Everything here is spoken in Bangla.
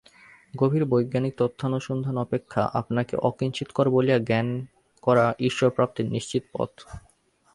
গভীর বৈজ্ঞানিক তত্ত্বানুসন্ধান অপেক্ষা আপনাকে অকিঞ্চিৎকর বলিয়া জ্ঞান করা ঈশ্বরপ্রাপ্তির নিশ্চিত পথ।